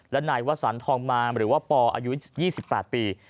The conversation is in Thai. และนายวสันทองมาหรือว่าปออายุ๒๘ปี